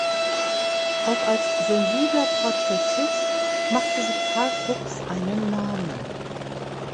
Auch als sensibler Porträtist machte sich Karl Fuchs einen Namen.